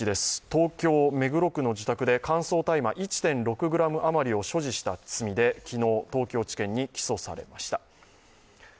東京・目黒区の自宅で乾燥大麻１．６ｇ余りを所持した罪で昨日、東京地検に起訴されました。